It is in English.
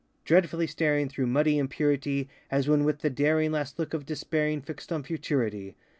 Dreadfully staring Through muddy impurity, As when with the daring Last look of despairing Fixed on futurity.